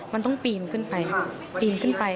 มันต้องปีนขึ้นไปปีนขึ้นไป